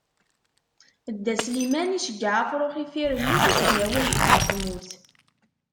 Dda Sliman iceyyeɛ afrux ifirelles ad s-d-yawi lexbar n tmurt.